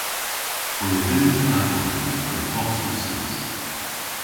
Hwi a vynnsa danvon hemma dre bost uskis.